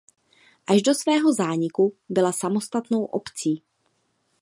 Až do svého zániku byla samostatnou obcí.